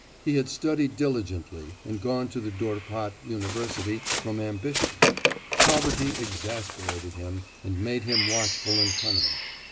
He had studied diligently and gone to the Dorpat University from ambition. Poverty exasperated him, and made him watchful and cunning.